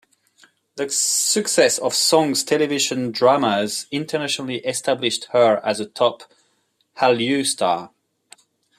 The success of Song's television dramas internationally established her as a top Hallyu star.